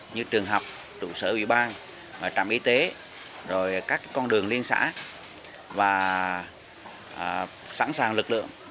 như trường học trụ sở ủy ban trạm y tế các con đường liên xã và sẵn sàng lực lượng